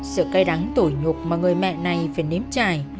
sự cay đắng tội nhục mà người mẹ này phải nếm chài